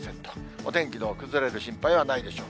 お天気の崩れる心配はないでしょう。